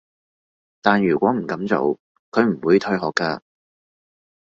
但如果唔噉做，佢唔會退學㗎